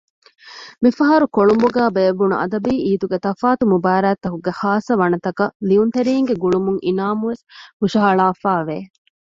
މިފަހަރު ކޮޅުނބުގައި ބޭއްވުނު އަދަބީ އީދުގެ ތަފާތު މުބާރާތްތަކުގެ ޚާއްޞަ ވަނަތަކަށް ލިޔުންތެރީންގެ ގުޅުމުން އިނާމު ވެސް ހުށަހަޅާފައިވެ